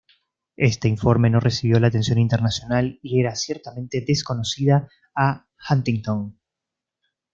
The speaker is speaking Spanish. Este informe no recibió la atención internacional y era ciertamente desconocida a Huntington.